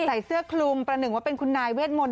ใส่เสื้อคลุมประหนึ่งว่าเป็นคุณนายเวทมนต